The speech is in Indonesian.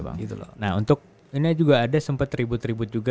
nah untuk ini juga ada sempet tribut tribut juga